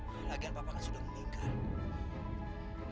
lagi lagi papa kan sudah meninggal